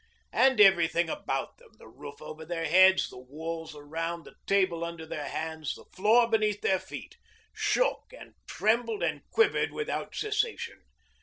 And everything about them, the roof over their heads, the walls around, the table under their hands, the floor beneath their feet, shook and trembled and quivered without cessation.